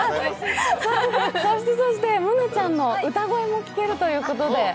そして、萌音ちゃんの歌声も聴けるということで。